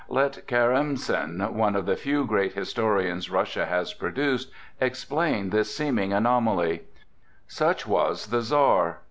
Let Karamsin, one of the few great historians Russia has produced, explain this seeming anomaly: "Such was the Czar!